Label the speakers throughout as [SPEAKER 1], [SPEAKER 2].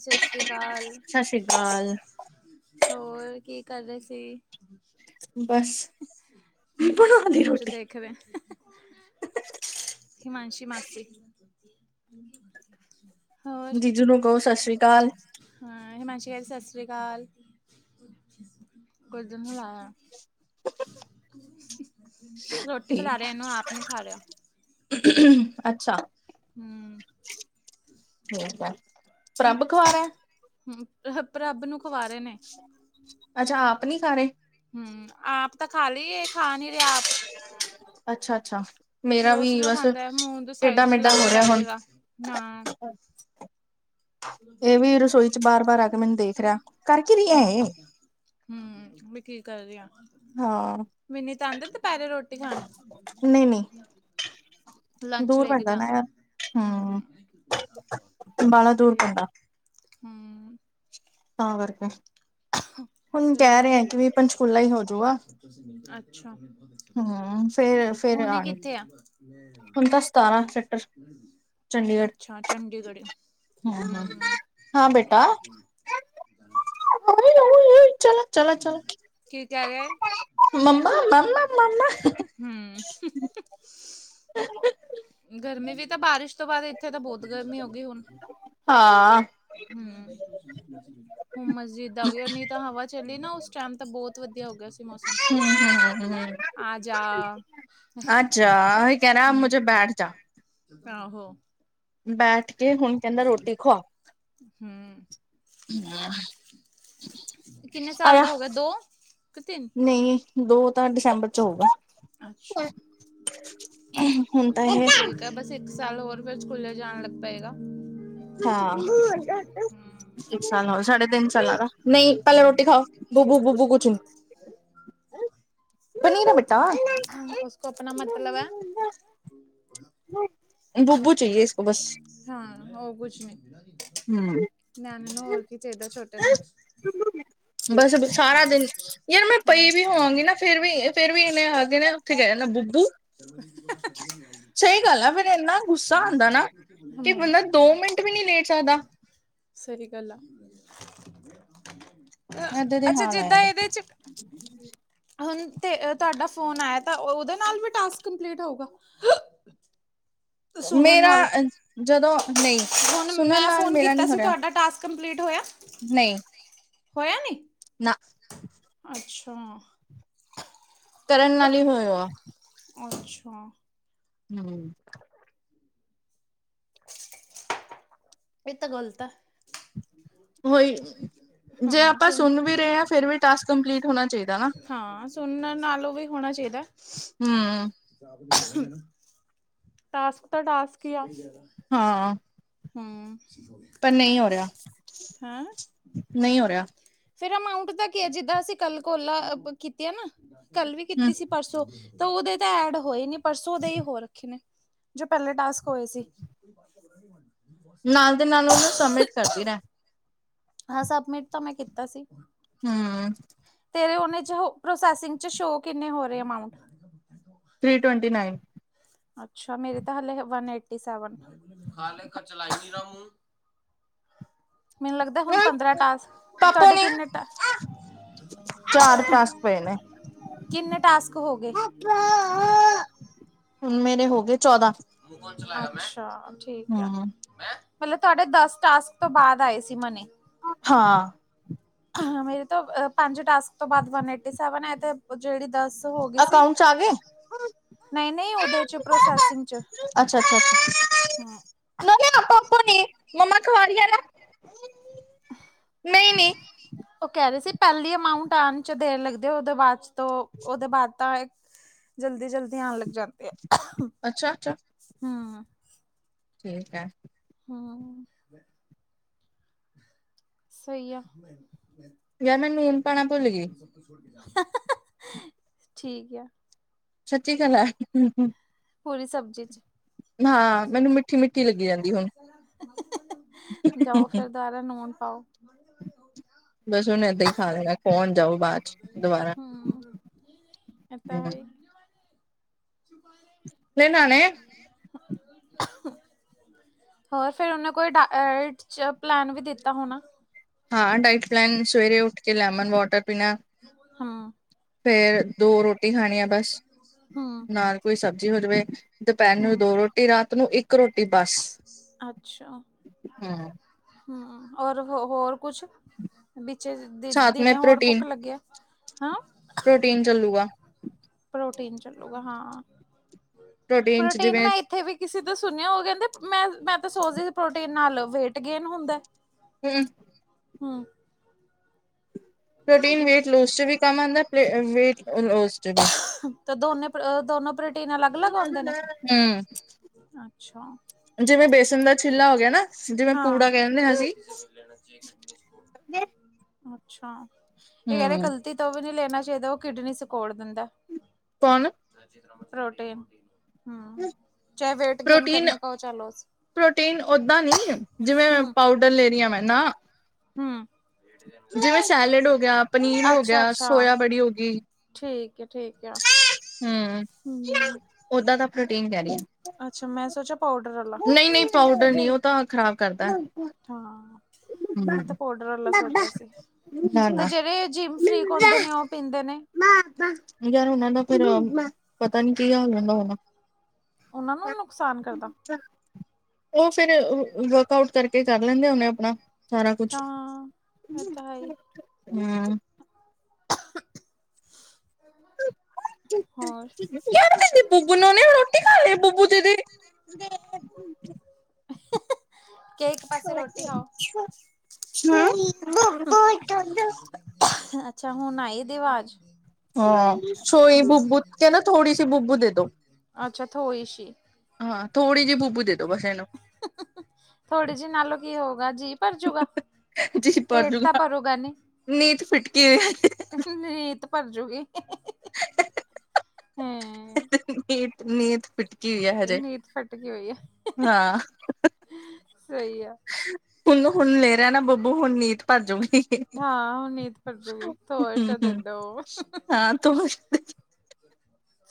[SPEAKER 1] ਸਤਿ ਸ੍ਰੀ ਅਕਾਲ
[SPEAKER 2] ਸਤਿ ਸ੍ਰੀ ਅਕਾਲ।
[SPEAKER 1] ਹੋਰ ਕੀ ਕਰ ਰਹੇ ਸੀ।
[SPEAKER 2] ਬਸ ਬਣਾ ਲੀਯ ਰੋਟੀ।
[SPEAKER 1] ਇਕ ਦਿਨ ਹਿਮਾਂਸ਼ੀ ਮਾਸੀ। ਹੋਰ
[SPEAKER 2] ਜੀਜੂ ਨੂੰ ਕਹੋ ਸਤਿ ਸ਼੍ਰੀ ਅਕਾਲ।
[SPEAKER 1] ਹਾਂ ਮਾਸੀੇ ਸਤਿ ਸ਼੍ਰੀ ਅਕਾਲ। [unintelligible] ਰੋਟੀ ਖਿਲਾ
[SPEAKER 2] ਠੀਕ
[SPEAKER 1] ਰਿਹੈ ਇਹਨੂੰ ਆਪ ਨਹੀਂ ਖਾ ਰਿਹਾ।
[SPEAKER 2] ਅੱਛਾ।
[SPEAKER 1] ਹੂ
[SPEAKER 2] ਠੀਕ ਹੈ ਪ੍ਰੰਭ ਖੂਆ ਰਿਆ।
[SPEAKER 1] ਰੱਬ ਨੂੰ ਖਵਾ ਰਹੇ ਨੇ।
[SPEAKER 2] ਅੱਛਾ ਆਪ ਨਹੀਂ ਖਾ ਰਹੇ।
[SPEAKER 1] ਹੂ ਆਪ ਤਾਂ ਖਾ ਲਈਏ ਇਹ ਖਾ ਨਹੀ ਰਿਹਾ ਆਪ।
[SPEAKER 2] ਅੱਛਾ, ਅੱਛਾ। ਮੇਰਾ
[SPEAKER 1] ਸਲੋਅ
[SPEAKER 2] ਵੀ
[SPEAKER 1] ਸਲੋ
[SPEAKER 2] ਬਸ
[SPEAKER 1] ਖਾਂਦਾ ਹੈ ਮੂੰਹ ਦੇ
[SPEAKER 2] ਟੇਢਾ
[SPEAKER 1] ਸਾਈਡ
[SPEAKER 2] ਮੇਢਾ
[SPEAKER 1] ਚਲਾ
[SPEAKER 2] ਹੋ
[SPEAKER 1] ਕੇ
[SPEAKER 2] ਰਿਹਾ
[SPEAKER 1] ਬਹਿ
[SPEAKER 2] ਹੁਣ
[SPEAKER 1] ਜਾਏਗਾ ਹਾਂ। ੍
[SPEAKER 2] ਇਹ ਵੀ ਰਸੋਈ ਚ ਬਾਰ ਬਾਰ ਆ ਕੇ ਮੈਨੂੰ ਦੇਖ ਰਿਹਾ ਕਰ ਕੀ ਰਹੀ
[SPEAKER 1] ਹੂ
[SPEAKER 2] ਹੈ ਇਹ
[SPEAKER 1] [unintelligible] ਮੈਂ ਕੀ ਕਰ ਰਹੀ ਆ।
[SPEAKER 2] ਹਾਂ।
[SPEAKER 1] ਮਿੰਨੀ ਤਾਂ ਆਉਂਦੇ ਦੁਪਹਿਰੇ ਰੋਟੀ ਖਾਣ।
[SPEAKER 2] ਨਹੀਂ ਨਹੀਂ
[SPEAKER 1] ਲੰਚ
[SPEAKER 2] ਦੂਰ
[SPEAKER 1] ਲੈ ਕੇ
[SPEAKER 2] ਪੈਂਦਾ ਨਾ
[SPEAKER 1] ਜਾਂਦਾ
[SPEAKER 2] ਯਾਰ
[SPEAKER 1] ਹੁ।
[SPEAKER 2] ਅੰਬਾਲਾ ਦੂਰ ਪੈਦਾ
[SPEAKER 1] ਹਮ
[SPEAKER 2] ਤਾਂ ਕਰਕੇ।
[SPEAKER 1] [unintelligible]
[SPEAKER 2] ਹੁਣ ਕਹਿ ਰਹੇ ਆ ਕਿ ਵੀ ਪੰਚਕੂਲਾ ਹੀ ਹੋਜੂਗਾ ਹੁ।
[SPEAKER 1] ਹੁਣ ਇਹ ਕਿੱਥੇ ਆ।
[SPEAKER 2] ਹੁਣ ਤਾਂ ਸਤਾਰਾਂ ਸੈਕਟਰ
[SPEAKER 1] ਅੱਛਾ
[SPEAKER 2] ਚੰਡੀਗੜ੍ਹ
[SPEAKER 1] ਚੰਡੀਗੜ੍ਹ ਹੂੰ!
[SPEAKER 2] ਹੋਲੀ-ਹੋਲੀ ਹੀ ਚਲੋ। ਚਲੋ! ਚਲੋ!
[SPEAKER 1] ਕੀ ਕਹਿ ਰਿਹਾ
[SPEAKER 2] ਮੰਮਾ! ਮੰਮਾ! ਮੰਮਾ
[SPEAKER 1] ਹੂੰ [inaudible]
[SPEAKER 2] [unintelligible] [inaudible]
[SPEAKER 1] ਗਰਮੀ ਵੀ ਤਾਂ ਬਾਰਿਸ਼ ਤੋਂ ਬਾਅਦ ਇੱਥੇ ਤਾਂ ਬਹੁਤ ਗਰਮੀ ਹੋ ਗਈ ਹੁਣ।
[SPEAKER 2] ਹਾਂ।
[SPEAKER 1] ਹੂੰ, ਹੁਣ ਮਜ਼ਿਦਾ ਹੋ ਗਈ ਔਰ ਨਹੀਂ ਤਾਂ ਹਵਾ ਚੱਲੀ ਨਾ ਉਸ ਟੈਮ, ਤਾਂ ਬੌਤ ਵਧੀਆ ਹੋ ਗਿਆ ਸ
[SPEAKER 2] ਹਮ ਹਮ ਹਮ [unintelligible] [inaudible]
[SPEAKER 1] ਆ ਜਾ।
[SPEAKER 2] ਆਜਾ ਉਹੀ ਕਹਿ ਰਿਹਾ ਮੁਝੇ ਬੈਠ ਜਾ।
[SPEAKER 1] ਕਾਹੋ
[SPEAKER 2] ਬੈਠ ਕੇ ਹੁਣ ਕਹਿੰਦਾ ਰੋਟੀ ਖਵਾ।
[SPEAKER 1] ਹੂੰ ਕਿੰਨੇ ਸਾਲ
[SPEAKER 2] ਆਆ!
[SPEAKER 1] ਦਾ ਹੋ ਗਿਆ ਦੋ ਕਿ ਤਿੰਨ
[SPEAKER 2] ਨਹੀਂ ਦੋ ਤਾਂ ਦਸੰਬਰ ਚ ਹੋਊਗਾ
[SPEAKER 1] ਅੱਛਾ
[SPEAKER 2] ਹੁਣ ਤਾਂ ਇਹ
[SPEAKER 1] ਠੀਕ ਹੈ ਬਸ ਇੱਕ ਸਾਲ ਹੋਰ ਫਿਰ ਸਕੂਲੇ ਜਾਣ ਲੱਗ ਪਏਗਾ।
[SPEAKER 2] ਹਾਂ,
[SPEAKER 1] ਹੂੰ
[SPEAKER 2] ਇੱਕ ਸਾਲ ਹੋ ਸਾਢੇ ਤਿੰਨ ਨਹੀਂ ਪਹਿਲੇ ਰੋਟੀ ਖਾਓ! ਬੁੱਬੂ ਬੁਬੂ ਕੁਛ ਨੀਰੇ ਬਟਾ [unintelligible] ਬੂਬੂ ਚਾਹੀਏ ਇਸ ਕੋ ਬਸ।
[SPEAKER 1] ਹਾਂ ਉਹ ਕੁਛ ਮ [unintelligible] ਮੈਮ ਨੂੰ ਹੋਰ ਕੀ ਚਾਹੀਦਾ ਛੋਟੇ ਨੂੰ
[SPEAKER 2] ਬਸ ਅਬ ਸਾਰਾ ਦਿਨ, ਯਾਰ ਮੈਂ
[SPEAKER 1] ਹਾਂ
[SPEAKER 2] ਪਈ ਵੀ ਹੋਵਾਂਗੀ ਨਾ, ਫੇਰ ਵੀ ਫੇਰ ਵੀ ਇਨੇ ਆਕੇ ਨਾ ਠੀਕ ਹੈ ਨਾ ਬੁੱਬੂ, ਸਹੀ ਗੱਲ ਆ ਫੇਰ ਇਹਨਾ। ਗੁੱਸਾ ਆਂਦਾ ਨਾ, ਕਿ
[SPEAKER 1] ਹਮ
[SPEAKER 2] ਬੰਦਾ ਦੋ ਮਿੰਟ ਵੀ ਨਹੀਂ ਲੇਟ ਸਕਦਾ।
[SPEAKER 1] ਸਹੀ ਗੱਲ ਆ।
[SPEAKER 2] ਏਦਾਂ ਦੇ
[SPEAKER 1] ਅੱਛਾ
[SPEAKER 2] ਹਾਲ ਆ
[SPEAKER 1] ਜਿੱਦਾਂ
[SPEAKER 2] ਯਾਰ
[SPEAKER 1] ਇਹਦੇ ਚ
[SPEAKER 2] [inaudible]
[SPEAKER 1] ਹੁਣ ਤ ਤੁਹਾਡਾ ਫੋਨ ਆਇਆ ਤਾਂ ਉਹਦੇ ਨਾਲ ਵੀ ਟਾਸਕ ਕੰਪਲੀਟ ਹੋਗਾ
[SPEAKER 2] ਮੇਰਾ ਜਦੋਂ ਨਹੀਂ
[SPEAKER 1] ਹੁਨ
[SPEAKER 2] ਸੁਣਨ
[SPEAKER 1] ਮੈਂ
[SPEAKER 2] ਨਾਲ
[SPEAKER 1] ਫੋਨ
[SPEAKER 2] ਮੇਰਾ ਨਹੀਂ
[SPEAKER 1] ਕੀਤਾ
[SPEAKER 2] ਹੋ
[SPEAKER 1] ਸੀ
[SPEAKER 2] ਰਿਹਾ
[SPEAKER 1] ਤੁਹਾਡਾ ਟਾਸਕ ਕੰਪਲੀਟ ਹੋਇਆ
[SPEAKER 2] ਨਹੀਂ
[SPEAKER 1] ਹੋਇਆ ਨੀ
[SPEAKER 2] ਨਾ
[SPEAKER 1] ਅੱਛਾ
[SPEAKER 2] ਤਰਨ ਨਾਲ
[SPEAKER 1] ਲਕ
[SPEAKER 2] ਈ ਹੋਇਆ
[SPEAKER 1] ਅੱਛਾ
[SPEAKER 2] ਹੁ
[SPEAKER 1] [inaudible] ਇਹਏ ਤਾਂ ਗੋਲਤਾ [unintelligible]
[SPEAKER 2] ੳਹੀ ਜੇ
[SPEAKER 1] ਹਾਂ
[SPEAKER 2] ਆਪਾਂ
[SPEAKER 1] ਸੁਣ
[SPEAKER 2] ਸੁਨ ਵੀ ਰਹੇ ਹਾਂ ਫਿਰ ਵੀ ਟਾਸਕ ਕੰਪਲੀਟ ਹੋਣਾ ਚਾਹੀਦਾ ਨਾ
[SPEAKER 1] ਹਾਂ ਸੁਣਨ ਨਾਲੋਂ ਵੀ ਹੋਣਾ ਚਾਹੀਦਾ
[SPEAKER 2] ਹੁ
[SPEAKER 1] ਟਾਸਕ ਤਾਂ ਟਾਸਕ ਈ ਆ
[SPEAKER 2] ਹਾਂ
[SPEAKER 1] ਹੁ
[SPEAKER 2] ਪਰ ਨਹੀਂ ਹੋ ਰਿਹਾ ਨਹੀਂ ਹੋ ਰਿਹਾ
[SPEAKER 1] ਫੇਰ ਅਮਾਊਂਂਟ ਦਾ ਕੀ ਹੈ ਜਿੱਦਾਂ ਅਸੀਂ ਕੱਲ ਕੋਲਾ ਕੀਤੀਆਂ ਨਾ ਕੱਲ ਵੀ
[SPEAKER 2] ਹੂੰ
[SPEAKER 1] ਕੀਤੀ ਸੀ ਪਰਸੋਂ ਤਾਂ ਉਹਦੇ ਤਾਂ ਐਡ ਹੋਏ ਨੀ ਪਰਸੋਂ ਉਹਦੇ ਹੀ ਹੋ ਰੱਖੇ ਨੇ ਜੋ ਪਹਿਲੇ ਟਾਸਕ ਹੋਏ ਸੀ
[SPEAKER 2] ਨਾਲ ਦੇ ਨਾਲ ਉਹਨੂੰ ਸਮਿਟ ਕਰਦੀ ਰਹਿ
[SPEAKER 1] ਹਾਂ ਸਬਮਿਟ ਤਾਂ ਮੈਂ ਕੀਤਾ ਸੀ
[SPEAKER 2] ਹੁ
[SPEAKER 1] ਤੇਰੇ ਉਹ ਚ ਪ੍ਰੋਸੈਸਿੰਗ ਚ ਸ਼ੋ ਕਿੰਨੇ ਹੋ ਰਹੇ ਅਮਾਂੳਂਟ
[SPEAKER 2] ਥਰੀ ਟਵੈਂਂਟੀ ਨਾਈਨ
[SPEAKER 1] ਅੱਛਾ ਮੇਰੇ ਤੇ ਹਾਲੇ ਵਨ ਏਟੀ ਸੇਵਨ
[SPEAKER 2] [inaudible]
[SPEAKER 1] ਮੈਨੂੰ ਲੱਗਦਾ ਹੁਨ
[SPEAKER 2] ਨਾਈਨ
[SPEAKER 1] ਪੰਦਰਾਂ ਟਾਸਕ
[SPEAKER 2] ਪਾਪਾ
[SPEAKER 1] ਤੁਹਾਡੇ
[SPEAKER 2] ਨੇ
[SPEAKER 1] ਕਿੰਨੇ ਟਾਸ
[SPEAKER 2] ਚਾਰ ਟਾਸਕ ਪਏ ਨੇ।
[SPEAKER 1] ਕਿੰਨੇ ਟਾਸਕ ਹੋ ਗਏ
[SPEAKER 2] ਹੁਨ ਮੇਰੇ ਹੋ ਗਏ ਚੌਦਾਂ
[SPEAKER 1] ਅੱਛਾ ਠੀਕ ਆ
[SPEAKER 2] ਹੂੰ
[SPEAKER 1] ਹਲੇ ਸਾਡੇ ਦਸ ਟਾਸਕ ਤੋਂ ਬਾਅਦ ਆਈ ਸੀ ਮਨੀ
[SPEAKER 2] ਹਾਂ
[SPEAKER 1] ਮੇਰੇ ਤੋਂ ਪੰਜ ਟਾਸਕ ਤੋਂ ਬਾਅਦ ਵਨ ਏਟੀ ਸੈਵਨ ਹੈ ਅਤੇ ਜਿਹੜੀ ਦਸ
[SPEAKER 2] ਅਕਾਊਂਂਟ ਚ ਆ ਗਏ
[SPEAKER 1] ਨਹੀਂ ਨਹੀਂ ਉਹਦੇ ਚ ਪ੍ਰੋਸੈਸਿੰਗ ਚ
[SPEAKER 2] ਅੱਛਾ ਅੱਛਾ
[SPEAKER 1] ਹਾਂ
[SPEAKER 2] ਨਹੀਂ ਆਪਾਂ ਆਪ ਨੀ ਮੰਮਾ ਖਵਾ ਰਹੀ [unintelligible] ਨਹੀਂ ਨਹੀਂ
[SPEAKER 1] ਉਹ ਕਹਿ ਰਹੇ ਸੀ ਪਹਿਲੀ ਅਮਾਊਂਟ ਆਣ ਚ ਦੇਰ ਲੱਗਦੇ ਓਦੇ ਬਾਅਦ ਤੋਂ ੳਦੇ ਬਾਅਦ ਤਾਂ ਜਲਦੀ ਜਲਦੀ ਆਣ ਲੱਗਾ
[SPEAKER 2] ਅੱਛਾ ਅੱਛਾ
[SPEAKER 1] ਹੁ
[SPEAKER 2] ਠੀਕ ਹੈ
[SPEAKER 1] ਹੁ ਸਹੀ ਆ
[SPEAKER 2] ਯਾ ਮੈਂ ਲੁਨ ਪਾਣਾ ਭੁੱਲਗੀ
[SPEAKER 1] ਠੀਕ ਆ।
[SPEAKER 2] ਸੱਚੀ ਗੱਲ੍ਹ ਹੈ।
[SPEAKER 1] ਪੂਰੀ ਸਬਜ਼ੀ 'ਚ।
[SPEAKER 2] ਹਾਂ, ਮੈਨੂੰ ਮਿੱਠੀ-ਮਿੱਠੀ ਲੱਗੀ ਜਾਂਦੀ ਹੁਣ।
[SPEAKER 1] ਜਾਓ ਫੇ਼ਰ ਦੁਬਾਰਾ ਨੂਨ ਪਾਓ।
[SPEAKER 2] ਬੱਸ ਹੁਣ ਇਦਾਂ ਹੀ ਖਾ ਲਿਆ
[SPEAKER 1] ਹਮ ਇਹ ਤਾ ਹੈ।
[SPEAKER 2] ਇਹਨਾ ਨੇ-
[SPEAKER 1] ਹੋਰ ਫੇ਼ਰ ਉਹਨਾਂ ਕੋਲ਼ ਡਾਇਟ 'ਚ ਪਲੈਨ ਵੀ ਦਿੱਤਾ ਹੋਣਾ?
[SPEAKER 2] ਹਾਂ ਡਾਇਟ ਪਲੈਨ ਸਵੇਰੇ ਉੱਠ ਕੇ ਲੈਮਨ ਵਾਟਰ ਪੀਣਾ।
[SPEAKER 1] ਹਾਂ।
[SPEAKER 2] ਫੇ਼ਰ ਦੋ ਰੋਟੀ ਖਾਣੀ ਆ ਬਸ,
[SPEAKER 1] ਹੂੰ
[SPEAKER 2] ਨਾਲ਼ ਕੋਈ ਸਬਜ਼ੀ ਹੋ ਜਵੇ। ਦੁਪਹਿਰ ਨੂੰ
[SPEAKER 1] ਹੂੰ
[SPEAKER 2] ਦੋ ਰੋਟੀ, ਰਾਤ ਨੂੰ ਇੱਕ ਰੋਟੀ ਬੱਸ,
[SPEAKER 1] ਅੱਛਾ
[SPEAKER 2] ਹਮ।
[SPEAKER 1] ਹਮ ਔਰ ਹੋ ਹੋਰ ਕੁਛ, ਵਿੱਚੇ ਦਿ
[SPEAKER 2] ਸਾਥ ਮੈਂ
[SPEAKER 1] ਦਿਨੇ ਹੋਰ ਭੁੱਖ
[SPEAKER 2] ਪ੍ਰੋਟੀਨ
[SPEAKER 1] ਲੱਗੇ? ਹੈਂ।
[SPEAKER 2] ਪ੍ਰੋਟੀਨ ਚੱਲੂਗਾ।
[SPEAKER 1] ਪ੍ਰੋਟੀਨ ਚੱਲੂਗਾ ਹਾਂ,
[SPEAKER 2] ਚ
[SPEAKER 1] ਪ੍ਰੋਟੀਨ
[SPEAKER 2] ਜਿਵੇਂ
[SPEAKER 1] ਮੈਂ ਇੱਥੇ ਵੀ ਕਿਸੇ ਤੋਂ ਸੁਣਿਆ ਓ ਕਹਿੰਦੇ ਮੈਂ, ਮੈਂ ਤਾਂ ਸੋਚਦੀ ਪ੍ਰੋਟੀਨ ਨਾਲ਼ ਵੇਟ ਗੇਨ ਹੁੰਦਾ।
[SPEAKER 2] ਹਮ।
[SPEAKER 1] ਹਮ।
[SPEAKER 2] ਪ੍ਰੋਟੀਨ ਵੇਟ ਲੂਸ 'ਚ ਵੀ ਕੰਮ ਆਂਉਦਾ ਪਲੇ ਵੇਟ ਲੋਸ ਚ ਵੀ
[SPEAKER 1] ਤੇ ਦੋਨੇ ਅ ਦੋਨੋ ਪ੍ਰੋਟੀਨ ਅਲੱਗ-ਅਲੱਗ ਹੁੰਦੇ ਨੇ?
[SPEAKER 2] ਹਮ
[SPEAKER 1] ਅੱਛਾ!
[SPEAKER 2] ਜਿਵੇਂ ਬੇਸਣ ਦਾ ਛਿੱਲਾ ਹੋ ਗਿਆ ਨਾ ਜਿਵੇਂ
[SPEAKER 1] ਹਾਂ
[SPEAKER 2] ਪੂੜਾ ਕਹਿੰਦੇ ਅਸੀਂ।
[SPEAKER 1] ਅੱਛਾ ਇਹ ਕਹੇ ਗਲ
[SPEAKER 2] ਹਮ
[SPEAKER 1] ਪ੍ਰੋਟੀਨ ਤਾਂ ਉਹ ਵੀ ਨੀ ਲੈਣਾ ਚਾਹੀਦਾ ਉਹ ਕਿਡਨੀ ਸਕੋੜ ਦਿੰਦਾ।
[SPEAKER 2] ਕੌਣ?
[SPEAKER 1] ਪ੍ਰੋਟੀਨ, ਹਮ, ਚਾਹੇ ਵੇਟ ਗੇਨ
[SPEAKER 2] ਪ੍ਰੋਟੀਨ
[SPEAKER 1] ਕਰਨੇ ਕਾ ਹੋ ਚਾਹੇ ਲੋਸ।
[SPEAKER 2] ਪ੍ਰੋਟੀਨ ਓਦਾਂ ਨੀ ਜਿਵੇਂ
[SPEAKER 1] ਹਮ
[SPEAKER 2] ਪਾਊਡਰ ਲੈ ਰਹੀਂ ਆਂ ਮੈਂ, ਨਾ।
[SPEAKER 1] ਹਮ
[SPEAKER 2] ਜਿਵੇਂ ਸੈਲਡ ਹੋ ਗਿਆ, ਪਨੀਰ ਹੋ ਗਿਆ,
[SPEAKER 1] ਅੱਛਾ-ਅੱਛਾ,
[SPEAKER 2] ਸੋਇਆ ਬੜੀ ਹੋ ਗਈ।
[SPEAKER 1] ਠੀਕ ਐ ਠੀਕ ਆ।
[SPEAKER 2] ਹਮ, ਓਦਾਂ ਦਾ ਪ੍ਰੋਟੀਨ ਕਹਿ ਰਹੀ ਆਂ।
[SPEAKER 1] ਅੱਛਾ ਮੈਂ ਸੋਚਿਆ ਪਾਊਡਰ ਆਲਾ।
[SPEAKER 2] ਪਾਊਡਰ ਨੀ ਉਹ ਤਾਂ ਖ਼ਰਾਬ ਕਰਦਾ।
[SPEAKER 1] ਹਾਂ ਮੈਂ ਤਾਂ ਪਾਉਡਰ ਵਾਲਾ ਸੋਚਿਆ ਸੀ,
[SPEAKER 2] ਨਾ
[SPEAKER 1] ਤੇ
[SPEAKER 2] ਨਾ
[SPEAKER 1] ਜਿਹੜੇ ਜਿਮ ਫਰੀ ਹੁੰਦੇ ਨੇ ਉਹ ਪੀਂਦੇ ਨੇ।
[SPEAKER 2] ਯਾਰ ਉਹਨਾਂ ਦਾ ਫਿ਼ਰ, ਪਤਾ ਨੀ ਕੀ ਹਾਲ ਹੁੰਦਾ ਹੋਣਾ।
[SPEAKER 1] ਉਹਨਾਂ ਨੂੰ ਨੁਕਸਾਨ ਕਰਦਾ।
[SPEAKER 2] ਉਹ ਫੇ਼ਰ ਅ ਵਰਕ ਆਊਟ ਕਰਕੇ ਕਰ ਲੈਂਦੇ ਹੋਣੇ ਆਪਣਾ। ਸਾਰਾ ਕੁਛ,
[SPEAKER 1] ਹਾਂ, ਇਹ ਤਾਂ ਹੈ ਈ,
[SPEAKER 2] ਹਮ।
[SPEAKER 1] ਹੋਰ?
[SPEAKER 2] ਕਦੀ ਬੁੱਬੂ ਨੂੰ ਉਹਨੇ ਰੋਟੀ ਖਾ ਲਈ ਬੁਬੂ ਦੇ [unintelligible]
[SPEAKER 1] ਕਹਿ ਇੱਕ ਪਾਸੇ ਰੋਟੀ ਖਾਓ।
[SPEAKER 2] ਹਦਾ [unintelligible] [unintelligible]
[SPEAKER 1] ਅੱਛਾ ਹੁਣ ਆਈ ਇਹਦੀ ਆਵਾਜ਼।
[SPEAKER 2] ਹਾਂ ਛੋਈ
[SPEAKER 1] ਹੂੰ,
[SPEAKER 2] ਬੁੱਬੂ ਕਹਿੰਦਾ ਥੋੜੀ ਸੀ ਬੁੱਬੂ ਦੇ ਦੋ।
[SPEAKER 1] ਅੱਛਾ ਥੋਈ ਸ਼ੀ।
[SPEAKER 2] ਹਾਂ ਥੋੜੀ ਜੀ ਬੂਬੂ ਦੇ ਦੋ ਬਸ ਇਹਨੂੰ।
[SPEAKER 1] ਥੋੜੀ ਜੀ ਨਾਲੋਂ ਕੀ ਹੋਊਗਾ ਜੀਅ ਭਰਜੂਗਾ? ਪੇਟ ਤਾਂ ਭਰੂਗਾ ਨੀ, ਰੀਤ ਭਰਜੂਗੀ। ਹਮ
[SPEAKER 2] ਨੀਂ ਨੀਂਤ ਫਿਟਕੀ ਹੋਈ ਆ ਹਜੇ,
[SPEAKER 1] ਨੀਤ ਫਟਕੀ ਹੋਈ ਐ,
[SPEAKER 2] ਹਾਂ
[SPEAKER 1] ਸਹੀ ਆ।
[SPEAKER 2] ਬੋਲੋ ਹੁਣ ਨੇਹਰਾ ਨਾ ਬੱਬੂ ਹੁਣ ਨੀਂਦ ਭੱਜ ਜੁਗੀ।
[SPEAKER 1] ਹਾਂ ਹੁਣ ਨੀਂਦ ਭਰ ਜੂਗੀ ਤੋਸ਼
[SPEAKER 2] ਹਮ,
[SPEAKER 1] ਦੇ
[SPEAKER 2] ਹਮ
[SPEAKER 1] ਦੋ
[SPEAKER 2] ਹਾਂ ਤੂੰ।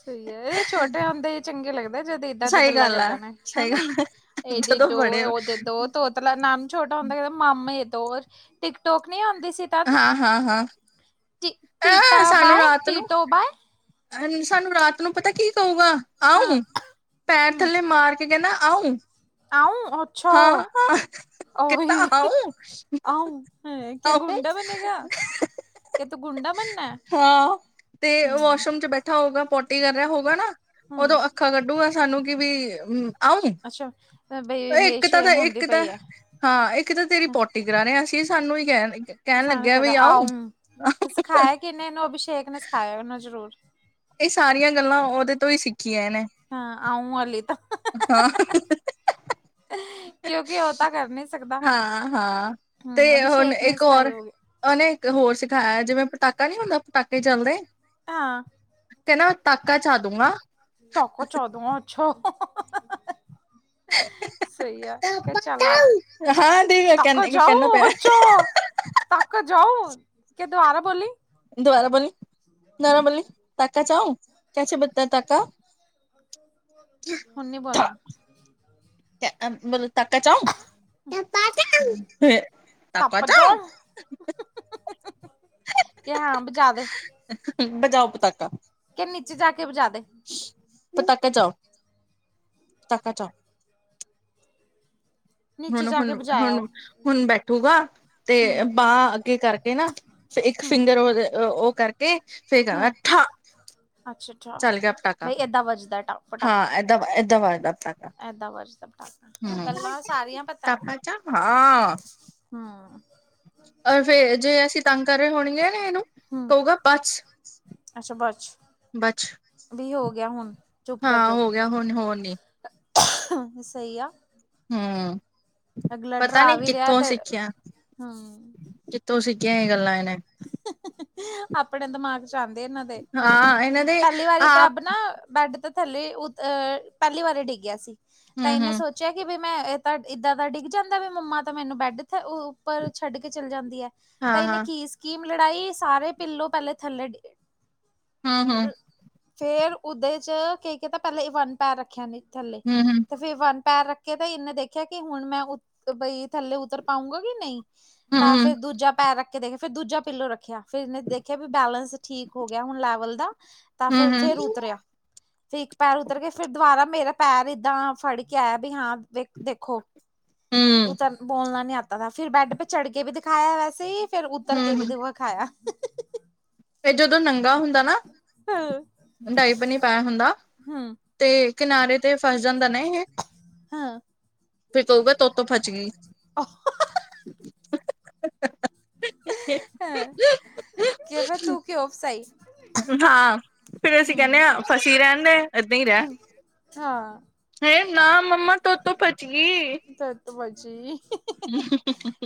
[SPEAKER 1] ਸਹੀ ਇਹ ਛੋਟੇ ਹੁੰਦੇ ਹੀ ਚੰਗੇ ਲੱਗਦੇ। ਜਦੋਂ ਏਦਾਂ ਦੀ
[SPEAKER 2] ਸਹੀ
[SPEAKER 1] ਗੱਲਾਂ
[SPEAKER 2] ਗੱਲ ਆ
[SPEAKER 1] ਕਰਦੇ ਨੇ
[SPEAKER 2] ਸਹੀ
[SPEAKER 1] ਹਨਾ,
[SPEAKER 2] ਗੱਲ ਆ।
[SPEAKER 1] ਇਹ ਦੇ
[SPEAKER 2] ਜਦੋਂ
[SPEAKER 1] ਦੋ
[SPEAKER 2] ਬੜੇ
[SPEAKER 1] ਉਹਦੇ ਦੋ ਮਤਲਬ ਨਾਮ ਛੋਟਾ ਹੁੰਦਾ ਕਹਿੰਦੇ ਮਾਮੇ ਤੋਂ ਟਿਕ ਟੋਕ ਨੀ ਆਂਦੀ ਸੀ। ਤਦ
[SPEAKER 2] ਹਾਂ, ਹਾਂ, ਹਾਂ।
[SPEAKER 1] ਟੀਟਾ
[SPEAKER 2] ਅ ਸਾਨੂੰ
[SPEAKER 1] ਬਏ
[SPEAKER 2] ਰਾਤ ਨੂੰ
[SPEAKER 1] ਟੀਟੋ ਬਏ [unintelligible]
[SPEAKER 2] ਸਾਨੂੰ ਰਾਤ ਨੂੰ ਪਤਾ ਕੀ ਕਹੂਗਾ
[SPEAKER 1] ਹਾਂ
[SPEAKER 2] ਆਊ ਪੈਰ
[SPEAKER 1] ਹੂੰ,
[SPEAKER 2] ਥੱਲੇ ਮਾਰ ਕੇ। ਇਹ ਕਹਿੰਦਾ ਆਊ
[SPEAKER 1] ਆਊ ਅੱਛਾ
[SPEAKER 2] ਹਾਂ ਹਾਂ। ਕਿਦਾ
[SPEAKER 1] ਉਹੀ
[SPEAKER 2] ਆਉ
[SPEAKER 1] ਆਊ ਹਾਂ,
[SPEAKER 2] ਆਹੋ।
[SPEAKER 1] ਕਿ ਤੋ ਗੁੰਡਾ ਬਣਨਾ ਹੈ
[SPEAKER 2] ਹਾਂ ਤੇ
[SPEAKER 1] ਹਮ
[SPEAKER 2] ਵਾਸ਼ਰੂਮ ਚ ਬੈਠਾ ਹੋਊਗਾ ਪੋਟੀ ਕਰ ਰਿਹਾ ਹੋਉਗਾ ਨਾ।
[SPEAKER 1] ਹਮ
[SPEAKER 2] ਉਦੋਂ ਅੱਖਾਂ ਕੱਢੂਗਾ ਸਾਨੂੰ ਕਿ ਵੀ ਆਊ।
[SPEAKER 1] ਅੱਛਾ। ਬਈ ਮੇਰੀ
[SPEAKER 2] ਇੱਕ ਤਾਂ
[SPEAKER 1] ਸ਼ੇਮ ਹੁੰਦੀ
[SPEAKER 2] ਇੱਕ ਤਾਂ
[SPEAKER 1] ਪਈ ਹੈ
[SPEAKER 2] ਹਾਂ ਇੱਕ ਤਾਂ ਤੇਰੀ ਪੋਟੀ ਕਰਾਰੇ ਅਸੀਂ ਸਾਨੂੰ ਹੀ ਕਹਿ ਕਹਿਣ ਲੱਗਿਆ ਵੀ ਆਓ।
[SPEAKER 1] ਖਾਇਆ ਕਿੰਨੇ ਇਹਨੂੰ ਅਭਿਸ਼ੇਕ ਨੇ ਸਿਖਾਇਆ ਉਹਨੂੰ ਜ਼ਰੂਰ
[SPEAKER 2] ਇਹ ਸਾਰੀਆਂ ਗੱਲਾਂ ਉਹਦੇ ਤੋਂ ਹੀ ਸਿੱਖੀਆਂ ਇਹਨੇ।
[SPEAKER 1] ਹਾਂ ਆਊ ਅਲੀ ਤਾਂ
[SPEAKER 2] ਹਾਂ
[SPEAKER 1] ਕਿਉਂਕਿ ਉਹ ਤਾਂ ਕਰ ਨਹੀਂ ਸਕਦਾ
[SPEAKER 2] ਹਾਂ, ਹਾਂ ਤੇ
[SPEAKER 1] ਹੂੰ
[SPEAKER 2] ਹੁਣ
[SPEAKER 1] ਅਭਿਸ਼ੇਕ ਨੇ
[SPEAKER 2] ਇੱਕ ਹੋਰ
[SPEAKER 1] ਸਿਖਾਈ ਹੋਗੀ
[SPEAKER 2] ਉਹਨੇ ਇੱਕ ਹੋਰ ਸਿਖਾਇਆ ਜਿਵੇਂ ਪਟਾਕਾ ਨੀ ਹੁੰਦਾ ਪਟਾਕੇ ਚਲਦੇ
[SPEAKER 1] ਹਾਂ,
[SPEAKER 2] ਤੇੰਨਾ ਤਾਕਾ ਚਾਦੁੰਗਾ
[SPEAKER 1] ਤਾਕਾ ਚਾਦੂੰਗਾ ਅਛਾ ਸਹੀ ਹੈ ਕੇ ਚਲਾ ਦੇ
[SPEAKER 2] ਹਾਂ ਦੇਖ
[SPEAKER 1] ਤਾਕਾ
[SPEAKER 2] ਕਹਿ
[SPEAKER 1] ਜਾਊ
[SPEAKER 2] ਕਹਿੰਦਾ ਪਿਆ
[SPEAKER 1] ਹਚੋ ਤੱਕ ਜਾਊ ਕਿ ਦੁਆਰਾ ਬੋਲੀ
[SPEAKER 2] ਦੁਆਰਾ ਬੋਲੀ ਦੁਆਰਾ ਬੋਲੀ ਤਾਕਾ ਚਾਊ ਕੇਸੇ ਬਤਾ ਤਾਕਾ
[SPEAKER 1] ਹੁਣ ਨੀ ਬੋਲਣਾ
[SPEAKER 2] ਮਤਲਬ ਤਾਕਾ ਚਾਊ ਤਾਕਾ
[SPEAKER 1] ਤੱਪ
[SPEAKER 2] ਚਾਊ
[SPEAKER 1] ਜਾਊ ਕਿ ਹਾਂ ਬਜਾ ਦੇ
[SPEAKER 2] ਬਜਾਓ ਪਤਾਕਾ
[SPEAKER 1] ਕੇ ਨੀਚੇ ਜਾ ਕੇ ਵਜਾ ਦੇ
[SPEAKER 2] ਪਤਾਕਾ ਜਾਓ ਪਤਾਕਾ ਚਾਓ [unintelligible]
[SPEAKER 1] ਨੀਚੇ
[SPEAKER 2] ਹੁਣ,
[SPEAKER 1] ਜਾ
[SPEAKER 2] ਹੁਣ,
[SPEAKER 1] ਕੇ ਬਜਾਇਆ
[SPEAKER 2] ਹੁਣ,
[SPEAKER 1] ਉਹ
[SPEAKER 2] ਹੁਣ ਬੈਠੂਗਾ ਤੇ
[SPEAKER 1] ਹੂੰ
[SPEAKER 2] ਬਾਂਹ ਅੱਗੇ ਕਰਕੇ ਨਾ ਫ ਇੱਕ
[SPEAKER 1] ਹੂੰ
[SPEAKER 2] ਫਿੰਗਰ ਉਹ ਉਹ ਕਰਕੇ ਫੇਰ ਗਾਂ ਗਾ
[SPEAKER 1] ਹਾਂ
[SPEAKER 2] ਥਾਂ
[SPEAKER 1] ਅੱਛਾ, ਅੱਛਾ ਬਈ ਏਦਾਂ ਵੱਜਦਾ ਪਟਾਕਾ
[SPEAKER 2] ਦਵਾ ਇਹਦਾ ਵਾਜਦਾ ਪਟਾਕਾ
[SPEAKER 1] ਇਹਦਾ ਵਾਜਦਾ ਪਟਾਕਾ ਹਾਂ
[SPEAKER 2] ਹਮ
[SPEAKER 1] ਗੱਲਾਂ ਸਾਰੀਆਂ
[SPEAKER 2] ਪਟਾਕਾ ਚਾ ਹਾਂ
[SPEAKER 1] ਹਮ।
[SPEAKER 2] ਅ ਫਿਰ ਜੇ ਅਸੀਂ ਤੰਗ ਕਰ ਰਹੇ ਹੋਣਗੇ ਨਾ ਇਹਨੂੰ
[SPEAKER 1] ਹੂੰ
[SPEAKER 2] ਕਹੂਗਾ ਬਸ
[SPEAKER 1] ਅੱਛਾ ਬੱਸ।
[SPEAKER 2] ਬੱਛ,,,
[SPEAKER 1] ਵੀ ਹੋ ਗਿਆ ਹੁਣ। ਚੁੱਪ ਕਰ
[SPEAKER 2] ਹਾਂ ਹੋ ਗਿਆ ਹੁਣ ਹੋਣ ਨੀ
[SPEAKER 1] ਸਹੀ ਆ।
[SPEAKER 2] ਹਮ,
[SPEAKER 1] ਅਗਲਾ
[SPEAKER 2] ਪਤਾ
[SPEAKER 1] ਡਰਾ
[SPEAKER 2] ਨੀ
[SPEAKER 1] ਵੀ ਰਿਹਾ
[SPEAKER 2] ਕਿੱਥੋਂ
[SPEAKER 1] ਤੇ
[SPEAKER 2] ਸਿੱਖਿਆ।
[SPEAKER 1] ਹੂੰ
[SPEAKER 2] ਤੁਸੀਂ ਸਿਖਿਆ ਗੱਲਾਂ ਇਹਨੇ,
[SPEAKER 1] ਆਪਣੇ ਦਿਮਾਗ ਚ ਆਉਂਦੇ ਇਹਨਾਂ ਦੇ,
[SPEAKER 2] ਹਾਂ ਇਹਨਾਂ ਦੇ
[SPEAKER 1] ਪਹਿਲੀ ਵਾਰੀ
[SPEAKER 2] ਆਪ
[SPEAKER 1] ਪ੍ਰੱਬ ਨਾ, ਬੈਡ ਤੋ ਥੱਲੇ ਉ ਅਹ ਪਹਿਲੀ ਵਾਰੀ ਡਿੱਗਿਆ ਸੀ ਤਾਂ
[SPEAKER 2] ਹੂੰ
[SPEAKER 1] ਇਹਨੇ
[SPEAKER 2] ਹੂੰ
[SPEAKER 1] ਸੋਚ ਸੋਚਿਆ ਕਿ ਵੀ ਮੈਂ ਇਹ ਤਾਂ ਇੱਦਾਂ ਦਾ ਡਿੱਗ ਜਾਂਦਾ ਵੀ ਮੰਮਾ ਤਾਂ, ਮੈਨੂੰ ਬੈੱਡ ਦੇ ਉੱਪਰ ਛੱਡ ਕੇ ਚੱਲ ਜਾਂਦੀ ਹੈ। ਤਾਂ
[SPEAKER 2] ਹਾਂ
[SPEAKER 1] ਇਹਨੇ
[SPEAKER 2] ਹਾਂ
[SPEAKER 1] ਕੀ ਸਕੀਮ ਲੜਾਈ ਸਾਰੇ ਪਿੱਲੋਂ ਪਹਿਲੇ ਥੱਲੇ,
[SPEAKER 2] ਹੂੰ, ਹੂੰ।
[SPEAKER 1] ਫੇਰ ਉਹਦੇ ਚ ਕੀ ਪਤਾ ਪਹਿਲਾਂ ਵਨ ਪੈਰ ਰੱਖਿਆ ਨੇ ਥੱਲੇ
[SPEAKER 2] ਹੂੰ ਹੂੰ
[SPEAKER 1] ਤੇ, ਫਿਰ ਵਨ ਪੈਰ ਰੱਖੇ ਤਾਂ ਇਹਨੇ ਦੇਖਿਆ ਕਿ ਹੁਣ ਮੈਂ ਬਈ ਥੱਲੇ ਉਤਰ ਪਾਊਂਗਾ ਕਿ ਨਹੀਂ।
[SPEAKER 2] ਹੂੰ
[SPEAKER 1] ਤਾਂ, ਫੇਰ
[SPEAKER 2] ਹੂੰ
[SPEAKER 1] ਦੂਜਾ ਪੈਰ ਰੱਖ ਕੇ ਦੇਖ, ਫਿਰ ਦੂਜਾ ਪਿੱਲੋ ਰੱਖਿਆ, ਫਿਰ ਇਹਨੇ ਦੇਖਿਆ, ਵੀ ਬੈਲੈਂਸ ਠੀਕ ਹੋ ਗਿਆ ਹੁਣ ਲੈਵਲ ਦਾ। ਤਾਂ ਫਿਰ,
[SPEAKER 2] ਹੂੰ
[SPEAKER 1] ਫੇਰ ਉਤਰਿਆ। ਫਿਰ ਇੱਕ ਪੈਰ ਉੱਤਰ ਕੇ ਫਿਰ ਦੁਬਾਰਾ ਮੇਰਾ ਪੈਰ ਏਦਾਂ ਫੜ ਕੇ ਆਇਆ ਵੀ ਹਾਂ ਵੇਖ ਦੇਖੋ।
[SPEAKER 2] ਹੂੰ
[SPEAKER 1] ਬੋਲਣਾ ਨਹੀਂ ਆਤਾ ਫਿਰ ਬੈੱਡ ਪੇ ਚੜ੍ਹ ਕੇ ਵੀ ਦਿਖਾਇਆ ਵੈਸੇ ਹੀ ਫਿਰ ਉੱਤਰ
[SPEAKER 2] ਹੂੰ
[SPEAKER 1] ਕੇ ਵੀ ਦਿਖਾਇਆ।
[SPEAKER 2] ਤੇ ਜਦੋਂ ਨੰਗਾ ਹੁੰਦਾ ਨਾ
[SPEAKER 1] ਹਮ
[SPEAKER 2] ਡਾਈਪਰ ਨੀ ਪਾਇਆ ਹੁੰਦਾ।
[SPEAKER 1] ਹਮ
[SPEAKER 2] ਤੇ ਕਿਨਾਰੇ ਤੇ ਫਸ ਜਾਂਦਾ ਨਾ ਇਹ।
[SPEAKER 1] ਹੂੰ।
[SPEAKER 2] ਫਿਰ ਕਹੇਗਾ ਤੋਤੋਂ ਫਚ ਗਈ। [unintelligible]
[SPEAKER 1] ਹੈ, ਕਿਹੋ ਤੂੰ ਕਿਉਂ ਫਸਾਈ।
[SPEAKER 2] ਹਾਂ, ਫਿਰ ਅਸੀਂ ਕਹਿੰਦੇ
[SPEAKER 1] ਹੂੰ,
[SPEAKER 2] ਹਾਂ, ਫਸੀ ਰਹਿਣ ਦੇ ਏਦਾਂ ਹੀ ਰਹਿ।
[SPEAKER 1] ਹੂੰ, ਹਾਂ।
[SPEAKER 2] ਹੈ ਨਾ ਮੰਮਾ ਤੋਤੋਂ ਫਚ ਗਈ।
[SPEAKER 1] ਬਜੀ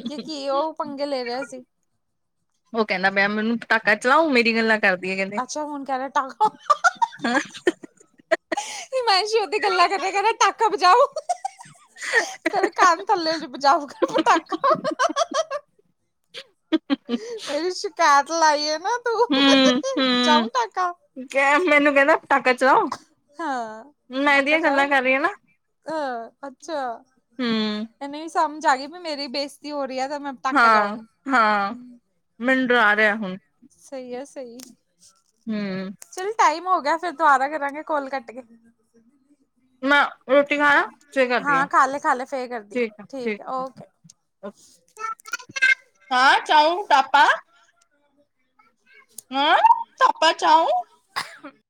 [SPEAKER 1] ਕਿ ਕੀ ਉਹ ਪੰਗੇ ਲੈ ਰਿਹਾ ਸੀ।
[SPEAKER 2] ਉਹ, ਕਹਿੰਦਾ ਪਿਆ ਮੈਨੂੰ, ਧਾਕਾ ਚਲਾਓ ਮੇਰੀ ਗੱਲਾਂ ਕਰਦੀਆਂ ਕਹਿੰਦੇ।
[SPEAKER 1] ਅੱਛਾ ਹੁਣ ਕਹਿ ਰਿਹਾ ਟਾਕਾ ਮੈਸ਼ੀ, ਉਹ ਓਦੀ ਗੱਲਾਂ ਕਰੇ ਕਹਿੰਦਾ ਟਾਕਾ ਬਜਾਓ। ਤੇਰੇ ਕੰਨ ਥੱਲੇ ਚ ਬਜਾਊਗਾ ਪਟਾਕਾ। ਮੇਰੀ ਸ਼ਿਕਾਇਤ ਲਾਈ ਨਾ ਤੂੰ, ਜਾਊ ਟਾਕਾ।
[SPEAKER 2] ਕਿਆ ਮੈਨੂੰ ਕਹਿੰਦਾ ਪਟਾਕਾ ਚਲਾਓ,
[SPEAKER 1] ਹਾਂ
[SPEAKER 2] ਮੈਂ ਇਹਦੀਆਂ ਗੱਲਾਂ ਕਰ ਰਹੀ ਆ ਨਾ।
[SPEAKER 1] ਅਹ ਅੱਛਾ,
[SPEAKER 2] ਹੂੰ
[SPEAKER 1] ਇਹਨੇ ਵੀ ਸਮਝ ਆ ਗਈ ਵੀ, ਮੇਰੀ ਬੇਜ ਤੀ ਹੋ ਰਹੀ ਹੈ ਤਾਂ, ਮੈਂ ਪਟਾਕਾ ਜਾਊ।
[SPEAKER 2] ਹਾਂ ਹਾਂ, ਮੈਨੂੰ ਡਰਾ ਰਿਹਾ ਹੁਣ।
[SPEAKER 1] ਸਹੀ ਆ ਸਹੀ
[SPEAKER 2] ਹੂੰ
[SPEAKER 1] ਚ ਟਾਈਮ ਹੋ ਗਿਆ, ਫਿਰ ਦੁਬਾਰਾ ਕਰਾਂਗੇ, ਕੋਲ ਕੱਟ ਕੇ,
[SPEAKER 2] ਮੈਂ ਰੋਟੀ ਖਾ ਲਾ, ਫਿਰ ਕਰਦੀ
[SPEAKER 1] ਹਾਂ
[SPEAKER 2] ਆਂ,
[SPEAKER 1] ਖਾ ਲੇ ਖਾ ਲੇ ਫੇਰ ਕਰਦੀ
[SPEAKER 2] ਠੀਕ ਹੈ, ਠੀਕ
[SPEAKER 1] ਓਕੇ
[SPEAKER 2] ਹੈ। ਹਾਂ, ਚਾਹ ਪਾਪਾ,
[SPEAKER 1] [inaudible]
[SPEAKER 2] ਹੈਂ, ਪਾ ਚਾਹ,
[SPEAKER 1] ਹੁ